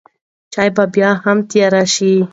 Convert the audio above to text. چای به بیا هم تیار شي.